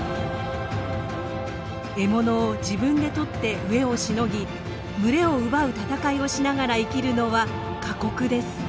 獲物を自分でとって飢えをしのぎ群れを奪う戦いをしながら生きるのは過酷です。